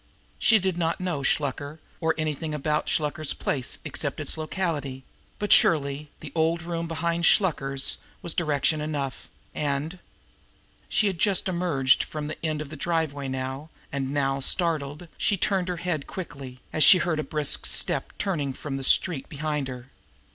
She did not know Shluker, or anything about Shluker's place except its locality; but surely "the old room behind Shluker's" was direction enough, and She had just emerged from the end of the driveway now, and now, startled, she turned her head quickly, as she heard a brisk step turning in from the street behind her.